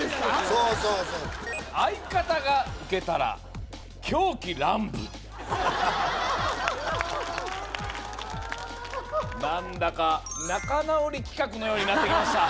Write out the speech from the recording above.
そうそうそう「相方がウケたら狂喜乱舞」なんだか仲直り企画のようになってきました